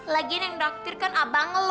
lagian yang traktir kan abang lo